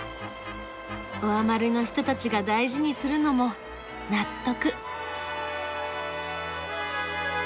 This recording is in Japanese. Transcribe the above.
オアマルの人たちが大事にするのも納得。